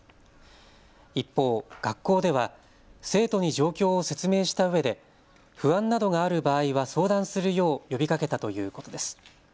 一方、学校では生徒に状況を説明したうえで不安などがある場合は相談するよう呼びかけたということです。